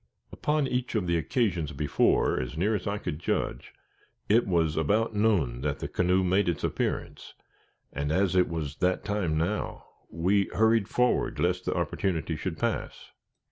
Upon each of the occasions before, as near as I could judge, it was about noon that the canoe made its appearance; and, as it was that time now, we hurried forward, lest the opportunity should pass.